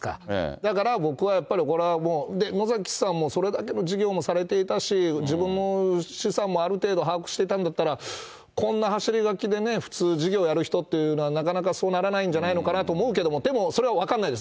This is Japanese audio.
だから僕はやっぱり、これはもう、野崎さんもそれだけの事業もされていたし、自分も資産もある程度把握していたんだったら、こんな走り書きで、普通事業やる人っていうのは、なかなかそうならないんじゃないのかなと思うけども、でもそれは分からないです。